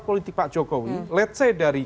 politik pak jokowi let's say dari